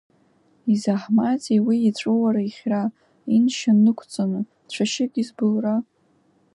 Изаҳмаӡеи уи иҵәуара-ихьра, иншьан нықәҵаны, цәашьык избылра?